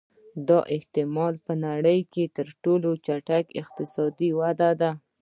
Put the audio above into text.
دا احتما لا په نړۍ کې تر ټولو چټکه اقتصادي وده وه